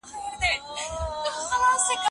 هغه پانګه چې ګټه لري ډیره اړینه ده.